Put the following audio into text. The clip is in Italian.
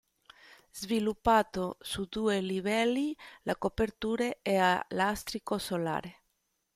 Sviluppato su due livelli, la copertura è a lastrico solare.